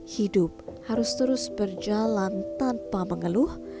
hidup harus terus berjalan tanpa mengeluh